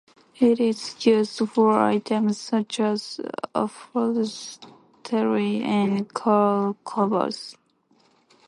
It is used for items such as upholstery and car covers.